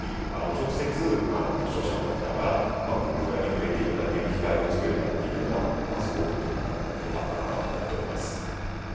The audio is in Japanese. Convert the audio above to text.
直接視聴者の方が「＃グップラ」に触れていただける機会をつくれたっていうのはすごくよかったかなと思っております。